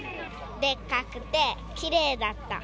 でっかくて、きれいだった。